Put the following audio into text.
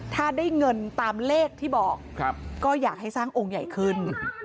ถ้าได้เงินตามเลขที่บอกก็อยากให้สร้างองค์ใหญ่ขึ้น